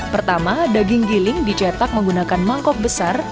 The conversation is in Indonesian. pertama daging giling dicetak menggunakan mangkok besar